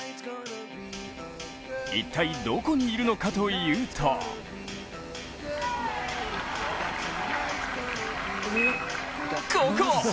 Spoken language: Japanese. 一体、どこにいるのかというとここ！